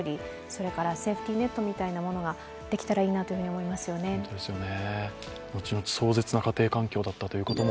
それからセーフティーネットみたいなものができたらいいなと思いますよね。